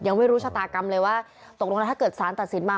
ยังไม่รู้ชะตากรรมเลยว่าตกลงแล้วถ้าเกิดสารตัดสินมา